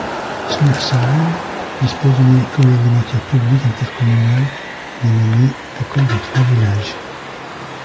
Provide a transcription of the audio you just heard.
Schnersheim dispose d'une école élémentaire publique intercommunale dénommée école des Trois-Villages.